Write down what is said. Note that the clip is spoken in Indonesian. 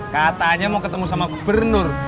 gak tau aja mau ketemu sama gubernur